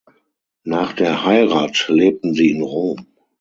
Nach der Heirat lebten sie in Rom.